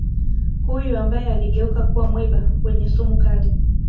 huyu ambaye aligeuka kuwa mwiba wenye sumu kali